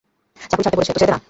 চাকুরি ছাড়তে বলছে তো ছেড়ে দে না!